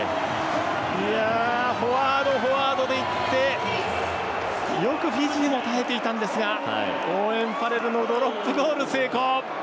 フォワードフォワードでいってよくフィジーも耐えていたんですがオーウェン・ファレルのドロップゴール成功。